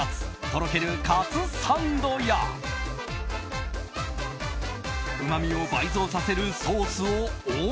とろけるカツサンドやうまみを倍増させるソースをＯＮ。